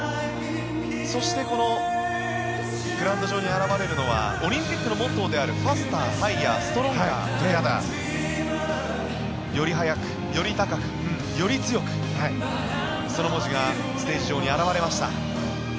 そしてグラウンド上に現れるのはオリンピックのモットーであるファスター、ハイヤーストロンガー、トゥギャザー。より速く、より高く、より強くその文字がステージ上に表れました。